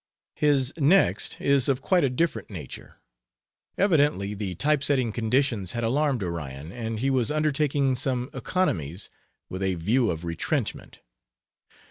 His next is of quite a different nature. Evidently the typesetting conditions had alarmed Orion, and he was undertaking some economies with a view of retrenchment.